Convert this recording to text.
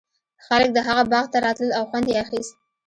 خلک د هغه باغ ته راتلل او خوند یې اخیست.